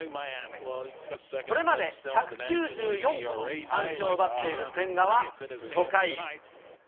これまで１９４個の三振を奪っている千賀は、初回。